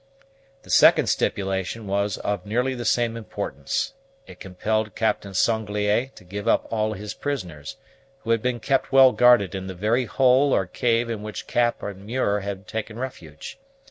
The second stipulation was of nearly the same importance. It compelled Captain Sanglier to give up all his prisoners, who had been kept well guarded in the very hole or cave in which Cap and Muir had taken refuge.